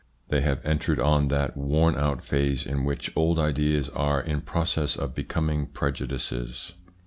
They have entered on that worn out phase in which old ideas are in process of becoming pre judices.